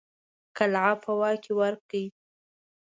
قلعه په واک کې ورکړي.